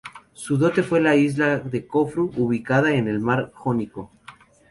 Su dote fue la isla de Corfú ubicada en el mar Jónico.